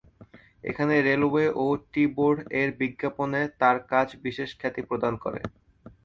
এখানে "রেলওয়ে" ও "tea board" -এর বিজ্ঞাপনে তার কাজ বিশেষ খ্যাতি প্রদান করে।